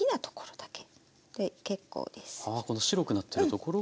はあこの白くなってるところを。